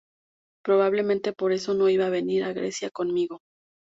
Probablemente por eso no iba a venir a Grecia conmigo.